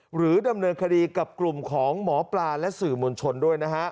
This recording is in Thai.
หรือดำเนินคดีกับกลุ่มของหมอปลาและสื่อมวลชนด้วยนะฮะ